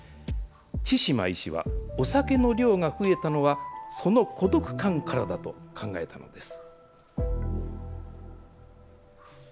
千嶋医師は、お酒の量が増えたのは、その孤独感からだと考えているんです。